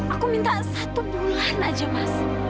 aku minta satu bulan aja mas